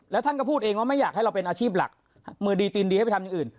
แล้วท่านก็พูดเองว่าไม่อยากให้เราเป็นอาชีพหลักมือดีตีนดีให้ไปทำอย่างอื่น